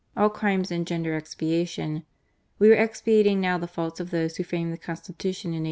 All crimes engender expiation. We are expiating now the faults of those who framed the Constitution in 1861."